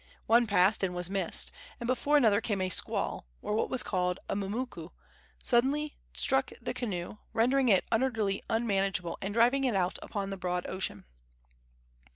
One passed and was missed, and before another came a squall, or what was called a mumuku, suddenly struck the canoe, rendering it utterly unmanageable and driving it out upon the broad ocean.